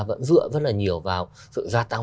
vẫn dựa rất là nhiều vào sự gia tăng